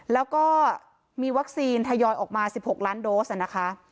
แล้วก็มีวัคซีนทยอยออกมา๑๖ล้านโดสนะคะ